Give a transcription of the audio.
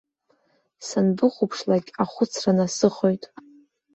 Санбыхәаԥшлакь ахәыцра насыхоит.